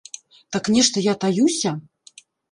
Так нешта я таюся?!